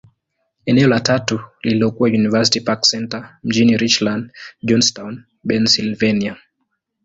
Eneo la tatu lililokuwa University Park Centre, mjini Richland, Johnstown, Pennyslvania.